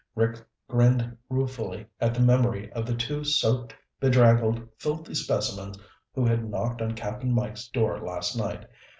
Rick grinned ruefully at the memory of the two soaked, bedraggled, filthy specimens who had knocked on Cap'n Mike's door last night.